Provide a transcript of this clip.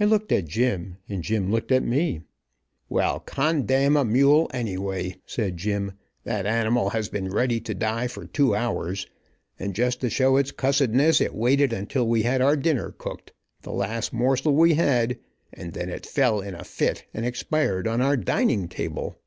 I looked at Jim and Jim looked at me. "Well, condam a mule, anyway," said Jim. "That animal has been ready to die for two hours, and just to show its cussedness, it waited until we had our dinner cooked, the last morsel we had, and then it fell in a fit, and expired on our dining table."